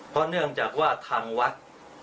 เพราะเนื่องจากว่าทางวัด